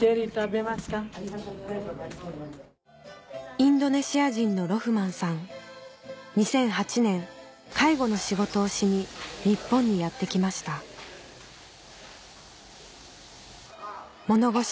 インドネシア人の２００８年介護の仕事をしに日本にやって来ました物腰